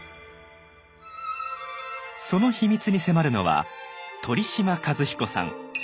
その秘密に迫るのは鳥嶋和彦さん。